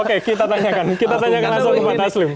oke kita tanyakan kita tanyakan langsung ke pak taslim